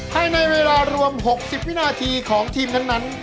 ให้ในเวลารวม๖๐วินาทีของทีมทั้งนั้น